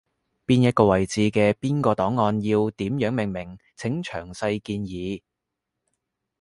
邊一個位置嘅邊個檔案要點樣命名，請詳細建議